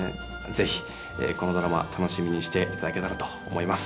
是非このドラマ楽しみにしていただけたらと思います。